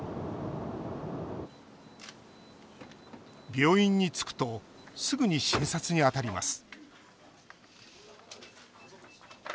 病院に着くとすぐに診察にあたります